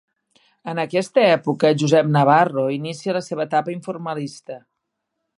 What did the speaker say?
En aquesta època, Josep Navarro inicia la seva etapa informalista.